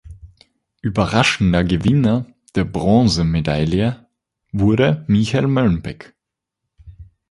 Überraschender Gewinner der Bronzemedaille wurde Michael Möllenbeck.